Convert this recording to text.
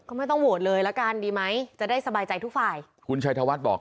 ก็ไม่ต้องโหวตเลยละกันดีไหมจะได้สบายใจทุกฝ่ายคุณชัยธวัฒน์บอก